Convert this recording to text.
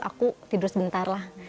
aku tidur sebentar lah